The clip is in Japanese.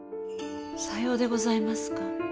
さようでございますか。